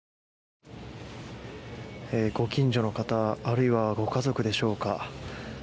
ご近所の方あるいはご家族でしょうか。